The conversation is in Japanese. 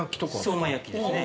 相馬焼ですね。